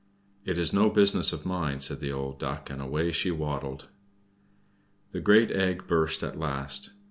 "It is no business of mine," said the old Duck, and away she waddled. The great egg burst at last.